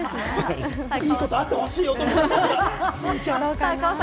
いいことあってほしい、おとめ座が。